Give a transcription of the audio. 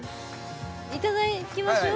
いただきましょう。